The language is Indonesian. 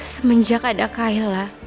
semenjak ada kayla